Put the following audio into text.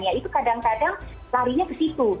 ya itu kadang kadang larinya ke situ